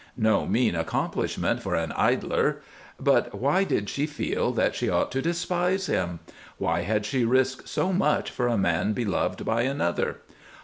No mean accomplishment for an idler! But why did she feel that she ought to despise him? Why had she risked so much for a man beloved by another?